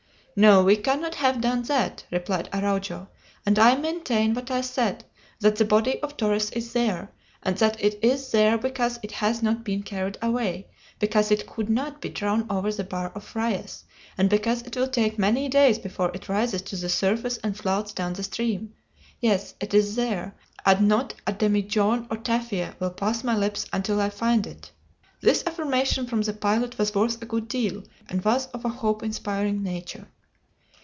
"No; we cannot have done that," replied Araujo; "and I maintain what I said that the body of Torres is there, and that it is there because it has not been carried away, because it could not be drawn over the Bar of Frias, and because it will take many days before it rises to the surface and floats down the stream. Yes, it is there, and not a demijohn of tafia will pass my lips until I find it!" This affirmation from the pilot was worth a good deal, and was of a hope inspiring nature.